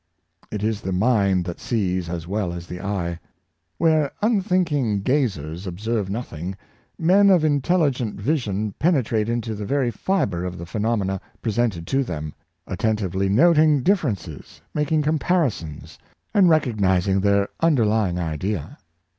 It is the mind that sees as well as the eye. Where unthinking gazers observe nothing, men of intelligent vision penetrate into the very fibre of the phenomena presented to them, attentively noting differences, making comparisons, and recogniz ing their underlying idea.